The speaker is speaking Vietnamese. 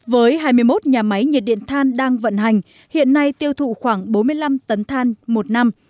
với hai mươi một nhà máy nhiệt điện than đang vận hành hiện nay tiêu thụ khoảng bốn mươi năm tấn than một năm